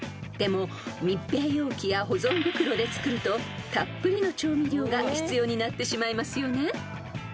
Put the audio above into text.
［でも密閉容器や保存袋で作るとたっぷりの調味料が必要になってしまいますよね］